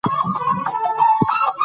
موږ باید په خپل کلتور ویاړ وکړو.